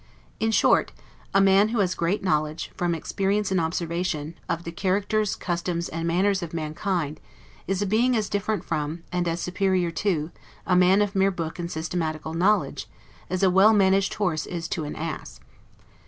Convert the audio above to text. In short, a man who has great knowledge, from experience and observation, of the characters, customs, and manners of mankind, is a being as different from, and as superior to, a man of mere book and systematical knowledge, as a well managed horse is to an ass.